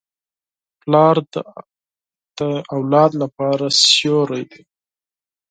پلار د اولاد لپاره سیوری دی.